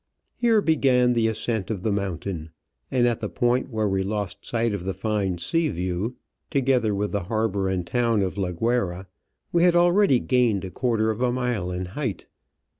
Here began the ascent of the mountain, and at the point where we lost sight of the fine sea view, together with the harbour and town of La Guayra, we had already gained a quarter of a mile in height.